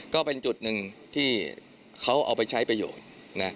ก็เป็นจุดหนึ่งที่เขาเอาไปใช้ประโยชน์นะ